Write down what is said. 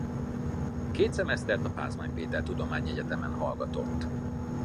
Két szemesztert a Pázmány Péter Tudományegyetemen hallgatott.